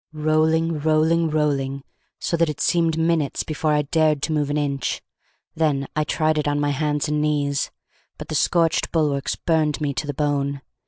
Rolling, rolling, rolling so that it seemed minutes before I dared to move an inch. Then I tried it on my hands and knees, but the scorched bulwarks burned me to the bone.